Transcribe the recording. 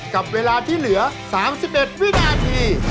กับเวลาที่เหลือ๓๑วินาที